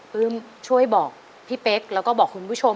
ปลื้มช่วยบอกพี่เป๊กแล้วก็บอกคุณผู้ชม